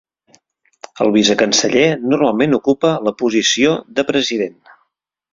El vicecanceller normalment ocupa la posició de president.